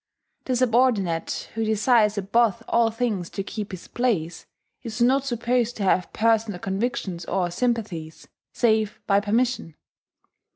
The subordinate, who desires above all things to keep his place, is not supposed to have personal convictions or sympathies save by permission.